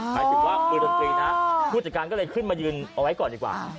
หมายถึงว่ามือดนตรีนะผู้จัดการก็เลยขึ้นมายืนเอาไว้ก่อนดีกว่า